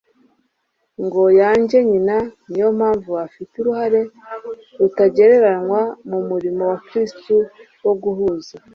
ngo yange nyina. niyo mpamvu afite uruhare rutagereranywa mu murimo wa kristu wo guhuza